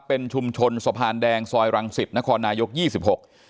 เป็นชุมชนสะพานแดงซอยรังสิตนครนายกยี่สิบหก